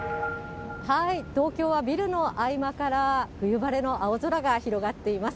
東京はビルの合間から、冬晴れの青空が広がっています。